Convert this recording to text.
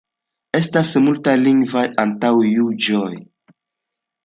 Estas multaj lingvaj antaŭjuĝoj.